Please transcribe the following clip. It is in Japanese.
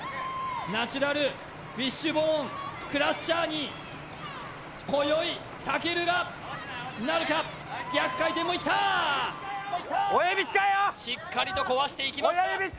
ナチュラルフィッシュボーンクラッシャーに今宵武尊がなるかしっかりと壊していきました